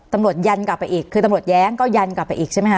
ยันกลับไปอีกคือตำรวจแย้งก็ยันกลับไปอีกใช่ไหมคะ